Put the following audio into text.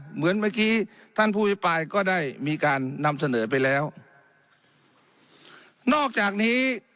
เหมือนเมื่อกี้ท่านผู้อภิปรายก็ได้มีการนำเสนอไปแล้วนอกจากนี้